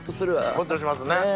ホッとしますね。